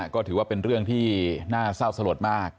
ก็ถือว่าเป็นเรื่องที่น่าเศร้าสลดมาก